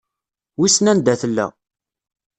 Wissen anda tella.